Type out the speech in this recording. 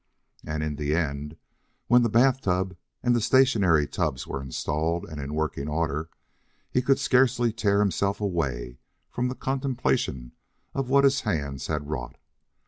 And in the end, when the bath tub and the stationary tubs were installed and in working order, he could scarcely tear himself away from the contemplation of what his hands had wrought.